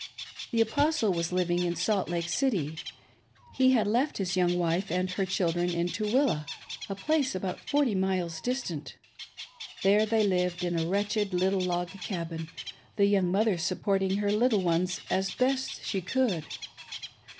The Apostle was living in Salt Lake City. He had left his young wife and her children in Tooele ^a place about forty miles distant. There they lived in a wretched little log cabin,, the young mother supporting her little ones as best she could.